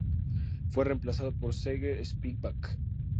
Fue reemplazado por Sergey Spivak.